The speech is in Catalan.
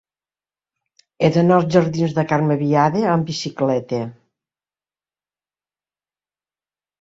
He d'anar als jardins de Carme Biada amb bicicleta.